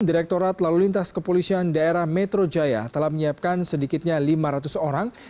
direktorat lalu lintas kepolisian daerah metro jaya telah menyiapkan sedikitnya lima ratus orang